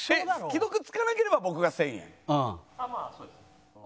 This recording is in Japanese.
既読つかなければ僕が１０００円？